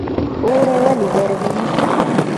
اوړی ولې ګرم وي؟